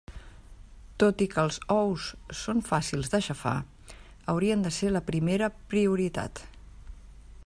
Tot i que els ous són fàcils d'aixafar, haurien de ser la primera prioritat.